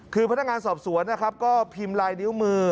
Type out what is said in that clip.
คือพนักงานสอบสวนนะครับก็พิมพ์ลายนิ้วมือ